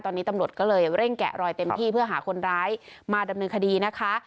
ตอนนี้ตำรวจก็เลยเร่งแกะรอยเต็มที่เพื่อหาคนร้ายมาดำเนินคดีนะคะ